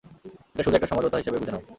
এটা শুধু একটা সমঝোতা হিসাবে বুঝে নাও।